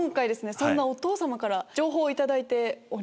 そんなお父さまから情報を頂いております。